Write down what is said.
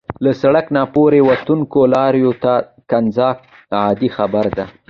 له سړک نه پورې وتونکو لارویو ته کنځا عادي خبره ده.